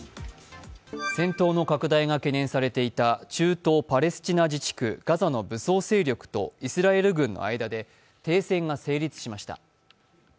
戦闘の拡大が懸念されていた中東パレスチナ自治区ガザの武装勢力とイスラエル軍の間で停戦が成立しました。